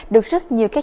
tôi rất thích